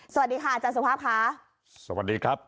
สวัสดีค่ะอาจารย์สุภาพค่ะสวัสดีครับ